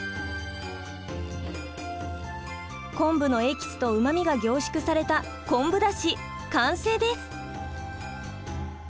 昆布のエキスとうまみが凝縮された昆布だし完成です。